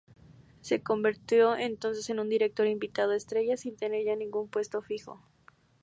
Se convirtió entonces en un director invitado estrella, sin tener ya ningún puesto fijo.